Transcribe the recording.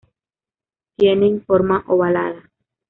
Tienen forma ovalada.